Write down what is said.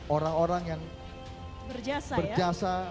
orang orang yang berjasa